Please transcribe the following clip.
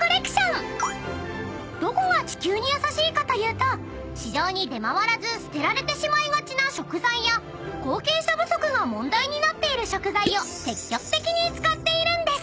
［どこが地球に優しいかというと市場に出回らず捨てられてしまいがちな食材や後継者不足が問題になっている食材を積極的に使っているんです。